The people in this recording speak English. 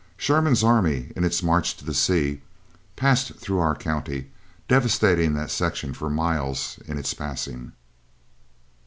Sherman's army, in its march to the sea, passed through our county, devastating that section for miles in its passing.